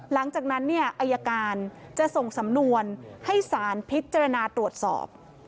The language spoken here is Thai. หลังจากนั้นเนี่ยอายการจะส่งสำนวนให้สารพิจารณาตรวจสอบ